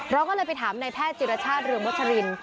เราก็เลยไปถามนายแพทย์จิรชาติเรืองวัชริน